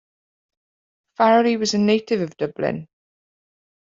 Farrelly was a native of Dublin.